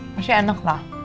maksudnya enak lah